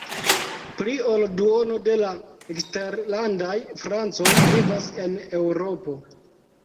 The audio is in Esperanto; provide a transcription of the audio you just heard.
Pli ol duono de la eksterlandaj francoj vivas en Eŭropo.